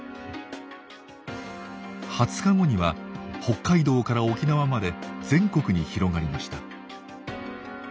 ２０日後には北海道から沖縄まで全国に広がりました。